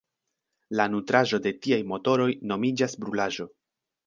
La nutraĵo de tiaj motoroj nomiĝas "brulaĵo".